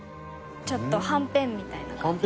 ちょっとはんぺんみたいな感じ。